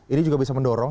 ini juga bisa mendorong